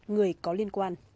người có liên quan